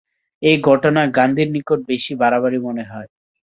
এ ঘটনা গান্ধীর নিকট বেশি বাড়াবাড়ি মনে হয়।